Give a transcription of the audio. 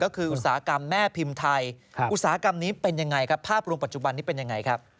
ก็คืออุตสาหกรรมแม่พิมพ์ไทยอุตสาหกรรมนี้เป็นยังไงครับภาพรวมปัจจุบันนี้เป็นยังไงครับ